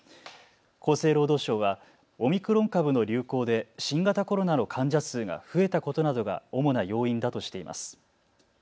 厚生労働省はオミクロン株の流行で新型コロナの患者数が増えたことなどが主な要因だとしています。